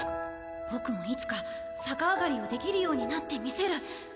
ボクもいつか逆上がりをできるようになってみせる。